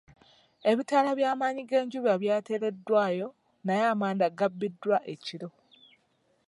Ebitala by'amannyi g'enjuba by'ateereddwayo naye amanda gabbiddwa ekiro.